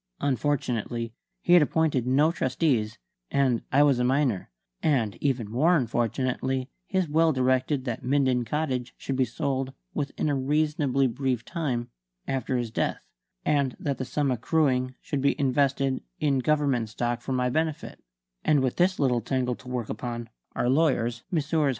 Unfortunately, he had appointed no trustees, and I was a minor; and even more unfortunately his will directed that Minden Cottage should be sold "within a reasonably brief time" after his death, and that the sum accruing should be invested in Government stock for my benefit; and with this little tangle to work upon, our lawyers Messrs.